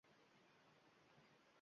Shu derazani biroz och